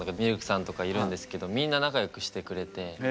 ＬＫさんとかいるんですけどみんな仲良くしてくれて。